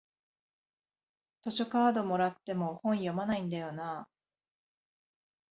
図書カードもらっても本読まないんだよなあ